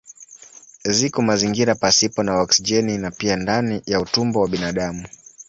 Ziko mazingira pasipo na oksijeni na pia ndani ya utumbo wa binadamu.